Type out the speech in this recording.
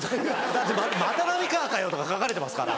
だって「また浪川かよ」とか書かれてますから。